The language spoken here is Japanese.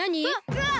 うわっ！